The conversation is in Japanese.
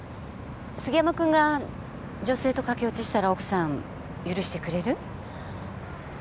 杉山君が女性と駆け落ちしたら奥さん許してくれる？